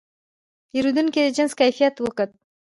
پیرودونکی د جنس کیفیت وکت.